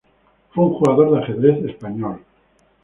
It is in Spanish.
Fue un jugador de ajedrez español.